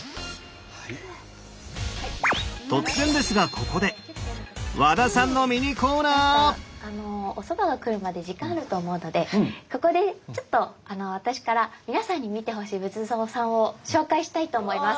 ここでおそばが来るまで時間あると思うのでここでちょっと私から皆さんに見てほしい仏像さんを紹介したいと思います。